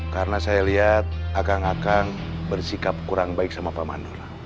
karena saya lihat akang akang bersikap kurang baik sama pak mandor